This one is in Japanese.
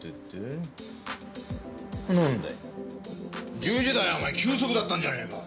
なんだよ１０時台はお前休息だったんじゃねえか。